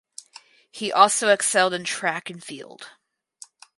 He also excelled in track and field.